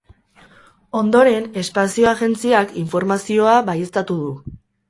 Ondoren, espazio agentziak informazioa baieztatu du.